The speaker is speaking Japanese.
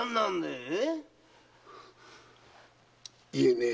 え⁉言えねえ。